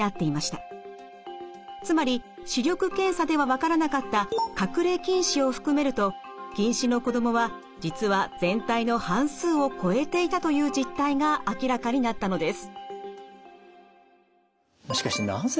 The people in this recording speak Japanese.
つまり視力検査では分からなかった隠れ近視を含めると近視の子どもは実は全体の半数を超えていたという実態が明らかになったのです。